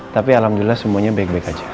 tapi alhamdulillah semuanya baik baik aja